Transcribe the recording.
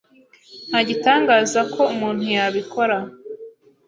Nta gitangaza ko umuntu yabikora